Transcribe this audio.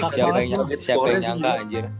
siapa yang nyangka anjir